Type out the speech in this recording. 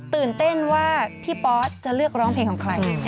ตื่นเต้นว่าพี่ปอสจะเลือกร้องเพลงของใคร